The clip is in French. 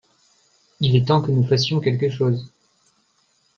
Il est temps que nous fassions quelque chose.